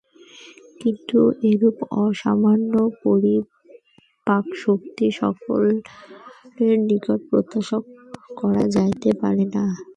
কিন্তু এরূপ অসামান্য পরিপাকশক্তি সকলের নিকট প্রত্যাশা করা যাইতে পারে না।